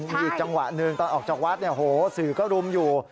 มีอีกจังหวะหนึ่งตอนออกจากวัดเนี่ยโหสื่อก็รุมอยู่